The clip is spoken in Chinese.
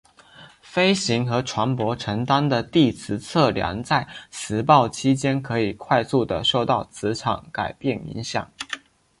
飞机和船舶承担的地磁测量在磁暴期间可以快速的受到磁场改变影响。